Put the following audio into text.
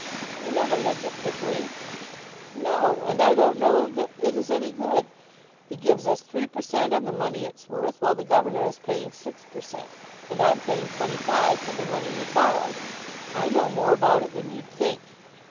"You never lived at Pickering." "No; and I don't know that it is any good. It gives us 3 per cent. on the money it's worth, while the governor is paying 6 per cent., and I'm paying 25, for the money we've borrowed. I know more about it than you'd think.